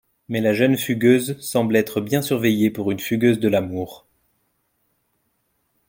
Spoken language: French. Mais la jeune fugueuse semble être bien surveillée pour une fugueuse de l'amour.